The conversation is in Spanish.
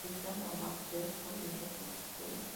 Eligieron a Waterloo y el resto es historia.